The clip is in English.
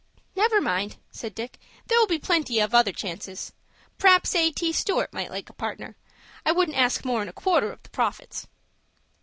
"Never mind," said Dick; "there'll be plenty of other chances. P'r'aps A. T. Stewart might like a partner. I wouldn't ask more'n a quarter of the profits."